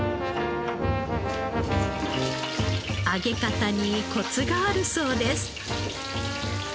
揚げ方にコツがあるそうです。